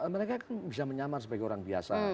mereka kan bisa menyamar sebagai orang biasa